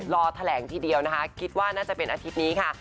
รอแถลงทีเดียวนะคะคิดว่าน่าจะเป็นอาทิตย์นี้ค่ะ